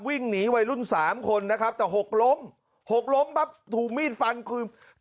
วิ่งหนีวัยรุ่นสามคนนะครับแต่หกล้มหกล้มปั๊บถูกมีดฟันคือ